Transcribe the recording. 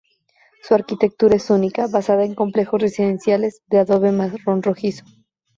Su arquitectura es única, basada en complejos residenciales de adobe marrón rojizo.